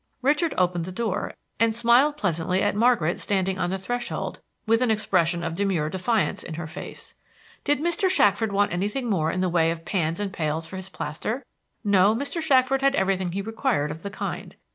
Richard opened the door, and smiled pleasantly at Margaret standing on the threshold with an expression of demure defiance in her face. Did Mr. Shackford want anything more in the way of pans and pails for his plaster? No, Mr. Shackford had everything he required of the kind.